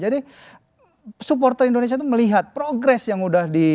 jadi supporter indonesia itu melihat progres yang udah di